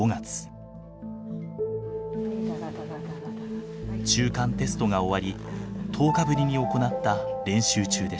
中間テストが終わり１０日ぶりに行った練習中でした。